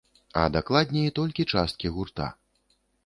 А дакладней, толькі часткі гурта.